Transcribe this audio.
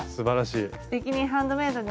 「すてきにハンドメイド」で習ったんだ！